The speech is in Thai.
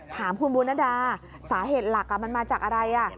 ถามคุณบูรณดาสาเหตุหลักมันมาจากอะไร